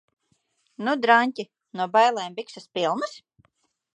Nu, draņķi? No bailēm bikses pilnas?